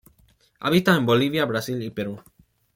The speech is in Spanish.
Habita en Bolivia, Brasil y Perú.